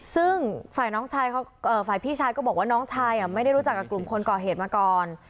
ซึ่งฝ่ายพี่ชายก็บอกว่าน้องชายไม่ได้รู้จักกับกลุ่มคนก่อเหตุมาก่อน